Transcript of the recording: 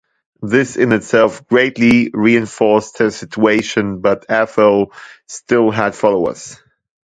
This in itself greatly reinforced her situation but Atholl still had followers.